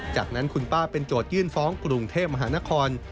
จากนั้นคุณป้าเป็นโจทยื่นฟ้องกรุงเทพมหานคร